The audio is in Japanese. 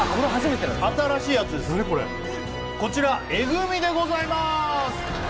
こちら「えグミ」でございまーす！